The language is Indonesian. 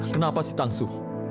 kenapa si tangsu